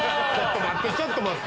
ちょっと待って！